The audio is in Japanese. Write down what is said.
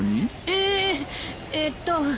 えええっと